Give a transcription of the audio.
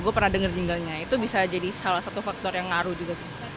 gue pernah dengar jinglenya itu bisa jadi salah satu faktor yang ngaruh juga sih